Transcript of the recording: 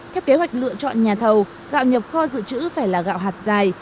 theo kế hoạch lựa chọn nhà thầu gạo nhập kho dự trữ phải là gạo hạt dài